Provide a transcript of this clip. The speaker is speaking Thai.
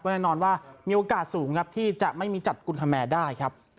แน่นอนว่ามีโอกาสสูงครับที่จะไม่มีจัดกุณฑแมร์ได้ครับ